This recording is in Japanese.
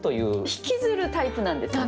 引きずるタイプなんですかね？